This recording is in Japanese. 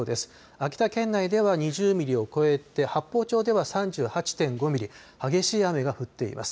秋田県内では２０ミリを超えて八峰町では３８．５ミリ、激しい雨が降っています。